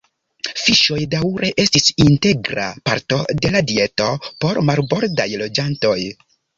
Fiŝoj daŭre estis integra parto de la dieto por marbordaj loĝantoj.